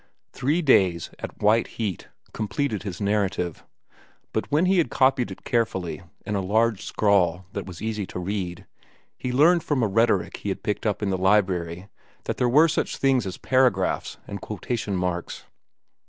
Three days, at white heat, completed his narrative; but when he had copied it carefully, in a large scrawl that was easy to read, he learned from a rhetoric he picked up in the library that there were such things as paragraphs and quotation marks.